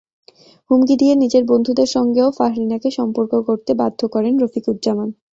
হুমকি দিয়ে নিজের বন্ধুদের সঙ্গেও ফাহরিনাকে সম্পর্ক গড়তে বাধ্য করেন রফিকুজ্জামান।